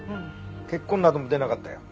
血痕なども出なかったよ。